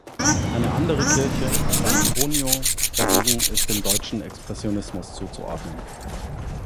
Eine andere Kirche, "San Antonio", dagegen ist dem deutschen Expressionismus zuzuordnen.